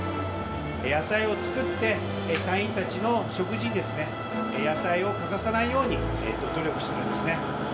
野菜を作って、隊員たちの食事に野菜を欠かさないように努力してるんですね。